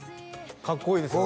かっこいいですもんね